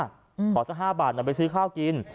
ก็ขอ๑๙๘๔บาทเนาะไปซื้อข้าวกิน